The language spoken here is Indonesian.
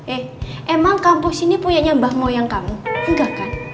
eh emang kampus ini punya nyembah moyang kamu enggak kan